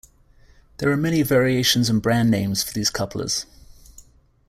There are many variations and brand names for these couplers.